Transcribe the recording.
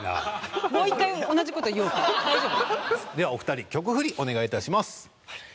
ではお二人曲振りお願い致します。